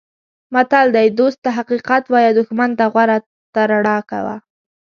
متل دی: دوست ته حقیقت وایه دوښمن ته غوره ترړه کوه.